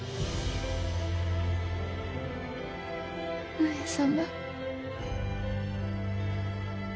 上様。